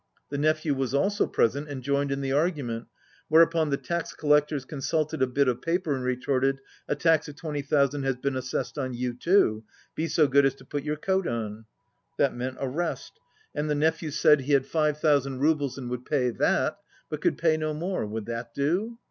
The nephew was also present and joined in the argument, whereupon the tax collectors consulted a bit of paper and retorted, "A tax of twenty thou sand has been assessed on you too. Be so good as to put your coat on." That meant arrest, and the nephew said he had 73 five thousand roubles and would pay that, but could pay no more. Would that do?